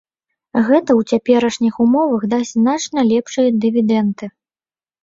Гэта ў цяперашніх умовах дасць значна лепшыя дывідэнды.